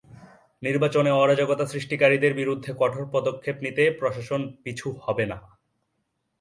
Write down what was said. নির্বাচনে অরাজকতা সৃষ্টিকারীদের বিরুদ্ধে কঠোর পদক্ষেপ নিতে প্রশাসন পিছু হবে না।